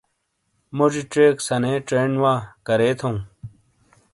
موزی ژیک سَنے چھین وا ۔کرے تھؤوں؟